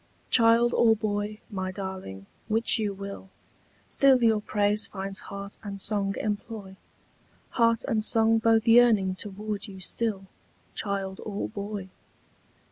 Child or boy, my darling, which you will, Still your praise finds heart and song employ, Heart and song both yearning toward you still, Child or boy.